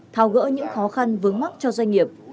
thao gỡ những khó khăn vướng mắt cho doanh nghiệp